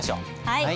はい。